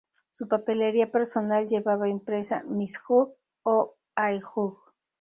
Su papelería personal llevaba impresa "Miss Hogg" o "I. Hogg".